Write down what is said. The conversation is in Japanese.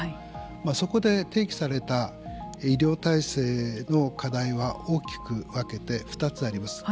そこで提起された医療体制の課題は大きく分けて２つあります。